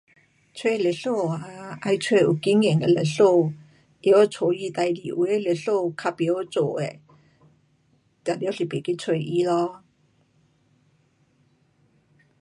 找律师啊，要找有经验的律师。会晓处理事情。有的律师较不晓做的，当然是不去找他咯。